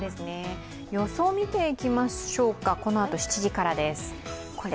予想を見ていきましょうか、このあと７時からです。